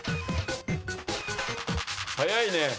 早いね。